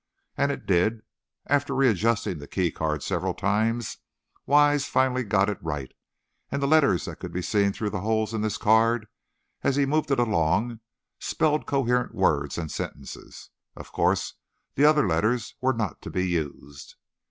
And it did. After re adjusting the key card several times, Wise finally got it right, and the letters that could be seen through the holes in this card, as he moved it along, spelled coherent words and sentences. Of course, the other letters were not to be used.